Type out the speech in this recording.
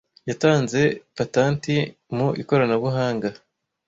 yatanze patenti mu ikoranabuhanga